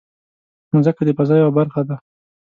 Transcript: مځکه د فضا یوه برخه ده.